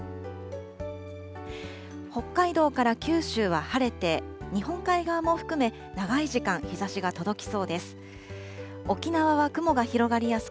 北海道から九州は晴れて、日本海側も含め長い時間、日ざしが届きそうです。